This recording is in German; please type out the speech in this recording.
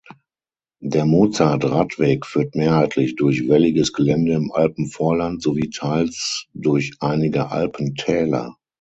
Der Mozart-Radweg führt mehrheitlich durch welliges Gelände im Alpenvorland sowie teils durch einige Alpentäler.